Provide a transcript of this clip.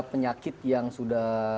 penyakit yang sudah